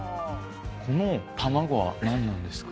この卵は何なんですか？